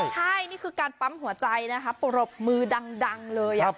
ใช่นี่คือการปั๊มหัวใจนะคะปรบมือดังเลย